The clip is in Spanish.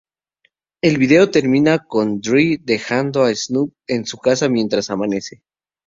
El vídeo termina con Dre dejando a Snoop en su casa mientras amanece.